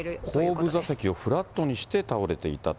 後部座席をフラットにして倒れていたと。